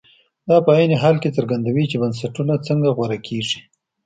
دا په عین حال کې څرګندوي چې بنسټونه څنګه غوره کېږي.